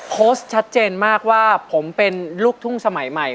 โพสต์ชัดเจนมากว่าผมเป็นลูกทุ่งสมัยใหม่